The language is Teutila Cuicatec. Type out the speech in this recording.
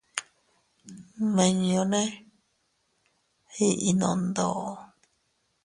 Nmimñune iʼnno ndoo.